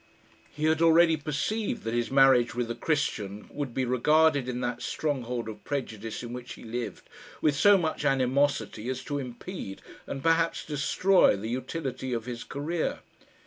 He had already perceived that his marriage with a Christian would be regarded in that stronghold of prejudice in which he lived with so much animosity as to impede, and perhaps destroy, the utility of his career.